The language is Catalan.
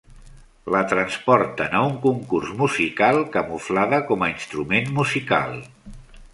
La transporten a un concurs musical camuflada com a instrument musical.